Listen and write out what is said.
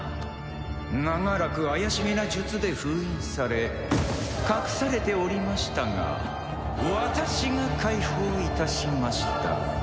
長らく怪しげな術で封印され隠されておりましたが私が解放いたしました。